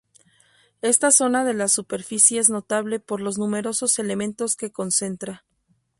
Esta zona de la superficie es notable por los numerosos elementos que concentra.